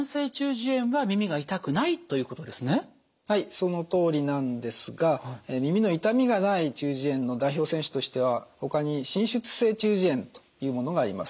そのとおりなんですが耳の痛みがない中耳炎の代表選手としてはほかに滲出性中耳炎というものがあります。